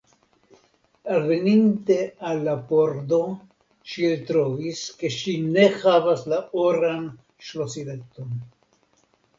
alveninte al la pordo, ŝi eltrovis ke ŝi ne havas la oran ŝlosileton.